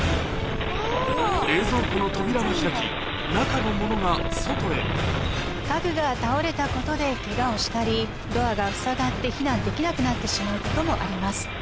冷蔵庫の扉は開き中のものが外へ家具が倒れたことでケガをしたりドアがふさがって避難できなくなってしまうこともあります。